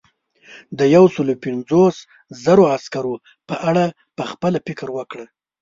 د یو سلو پنځوس زرو عسکرو په اړه پخپله فکر وکړه.